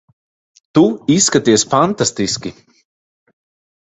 Tu izskaties fantastiski.